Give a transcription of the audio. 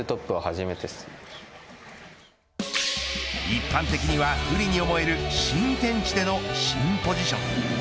一般的には不利に思える新天地での新ポジション。